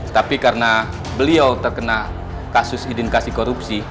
tapi karena beliau terkena kasus identifikasi korupsi